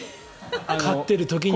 飼っている時に。